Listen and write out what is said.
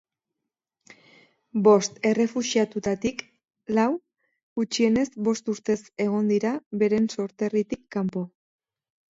Bost errefuxiatutatik lau, gutxienez bost urtez egon dira beren sorterritik kanpo.